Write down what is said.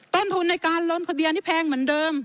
ต้นทุนในการล้นทะเบียนที่แพงเหมือนเดิม